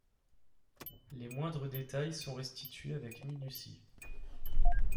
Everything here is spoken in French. Les moindres détails sont restitués avec minutie.